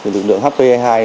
lực lượng hp hai mươi hai